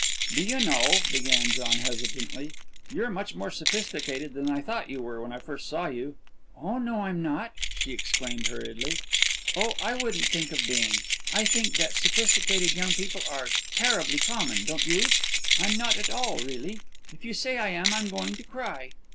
"Do you know," began John hesitantly, "you're much more sophisticated than I thought you were when I first saw you?" "Oh, no, I'm not," she exclaimed hurriedly. "Oh, I wouldn't think of being. I think that sophisticated young people are terribly common, don't you? I'm not all, really. If you say I am, I'm going to cry."